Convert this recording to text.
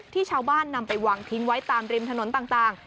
ชาวบ้านนำไปวางทิ้งไว้ตามริมถนนต่าง